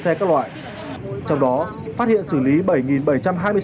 trong đó phát hiện xử lý